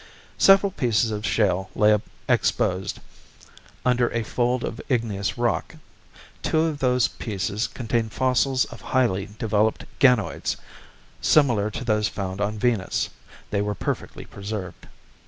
Several pieces of shale lay exposed under a fold of igneous rock. Two of those pieces contained fossils of highly developed ganoids, similar to those found on Venus. They were perfectly preserved.